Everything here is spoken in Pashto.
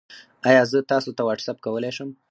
ایا زه تاسو ته واټساپ کولی شم؟